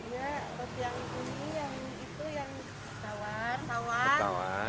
ya roti yang ini yang itu yang tawar